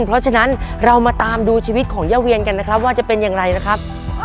เพราะฉะนั้นเรามาตามดูชีวิตของย่าเวียนกันนะครับว่าจะเป็นอย่างไรนะครับ